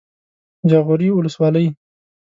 جاغوري ولسوالۍ